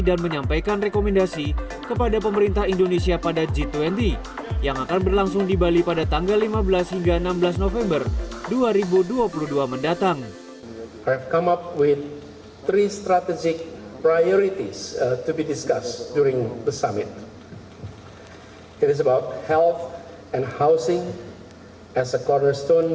dan menyampaikan rekomendasi kepada pemerintah indonesia pada g dua puluh yang akan berlangsung di bali pada tanggal lima belas hingga sembilan belas